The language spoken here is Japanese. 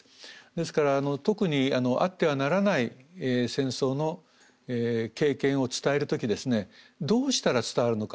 ですから特にあってはならない戦争の経験を伝える時ですねどうしたら伝わるのか。